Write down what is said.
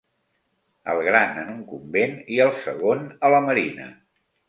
El gran en un convent i el segon a la Marina.